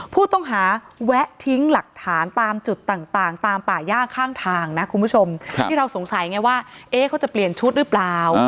ผู้ต้องหาแวะทิ้งหลักฐานตามจุดต่างตามป่าย่าข้างทางนะคุณผู้ชมที่เราสงสัยไงว่าเขาจะเปลี่ยนชุดหรือเปล่า